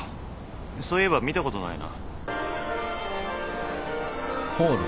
そういえば見たことないな。